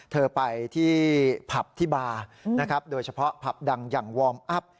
เธอไปที่ผับที่บาร์นะครับโดยเฉพาะผับดังอย่างวอร์มอัพ